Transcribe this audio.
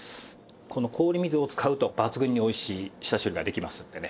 この氷水を使うと抜群においしい下処理ができますのでね